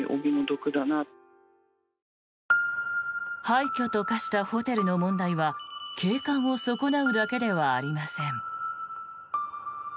廃虚と化したホテルの問題は景観を損なうだけではありません。